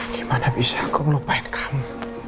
gimana bisa aku melupain kamu